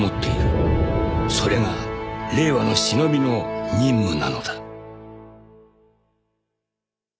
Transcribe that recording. ［それが令和の忍びの任務なのだ］